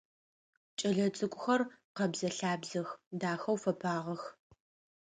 Кӏэлэцӏыкӏухэр къэбзэ-лъабзэх, дахэу фэпагъэх.